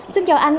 xin chào anh